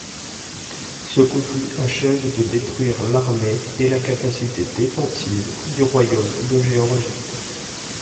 Ce conflit achève de détruire l'armée et la capacité défensive du royaume de Géorgie.